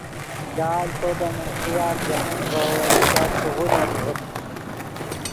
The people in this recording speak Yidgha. لال تو دے من خیال ژے من ڤے اوّلی گپ چے غولیتغت